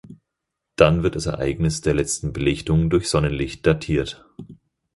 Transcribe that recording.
Dann wird das Ereignis der letzten Belichtung durch Sonnenlicht datiert.